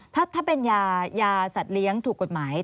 ถ้าเป็นยายาสัตว์เลี้ยงถูกกฎหมาย